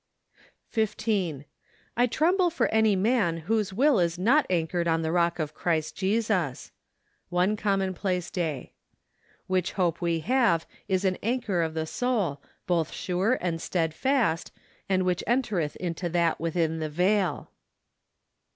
15. I tremble for any man whose will is not anchored on the rock Christ Jesus. One Commonplace Day. " Which hope we have as an anchor of the soul , both sure and steadfast , and which entereth into that within the veil."